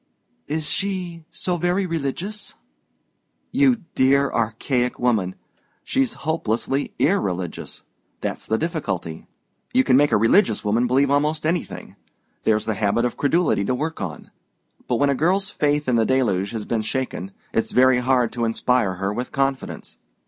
"Is she so very religious?" "You dear archaic woman! She's hopelessly irreligious; that's the difficulty. You can make a religious woman believe almost anything: there's the habit of credulity to work on. But when a girl's faith in the Deluge has been shaken, it's very hard to inspire her with confidence.